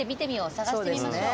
探してみましょう。